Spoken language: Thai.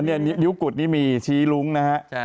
นี่นิ้วกุฎนี่มีชี้ลุ้งนะฮะ